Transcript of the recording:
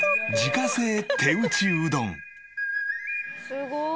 すごーい！